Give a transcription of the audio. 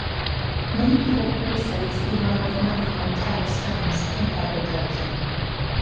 Many people criticize the amount of money Antel spends in advertising.